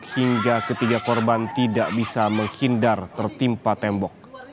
hingga ketiga korban tidak bisa menghindar tertimpa tembok